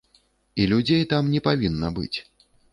І людзей там не павінна быць.